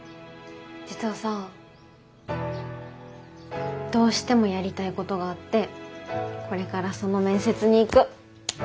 実はさどうしてもやりたいことがあってこれからその面接に行く。